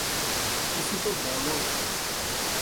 কিছু তো বলো।